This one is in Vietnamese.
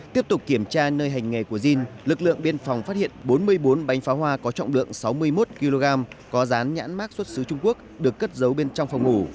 tiếp tục kiểm tra nơi hành nghề của dinh lực lượng biên phòng phát hiện bốn mươi bốn bánh pháo hoa có trọng lượng sáu mươi một kg có rán nhãn mát xuất xứ trung quốc được cất giấu bên trong phòng ngủ